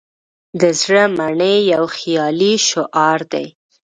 "د زړه منئ" یو خیالي شعار دی.